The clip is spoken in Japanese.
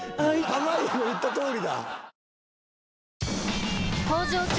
濱家の言ったとおりだ。